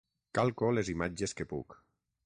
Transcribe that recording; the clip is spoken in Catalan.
Calco les imatges que puc.